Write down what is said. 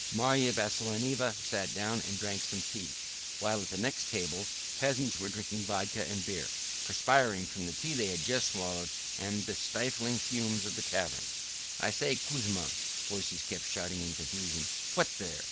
Marya Vassilyevna sat down and drank some tea, while at the next table peasants were drinking vodka and beer, perspiring from the tea they had just swallowed and the stifling fumes of the tavern. "I say, Kuzma!" voices kept shouting in confusion. "What there!"